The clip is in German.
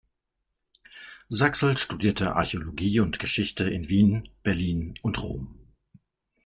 Saxl studierte Archäologie und Geschichte in Wien, Berlin und Rom.